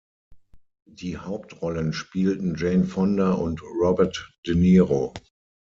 Die Hauptrollen spielten Jane Fonda und Robert De Niro.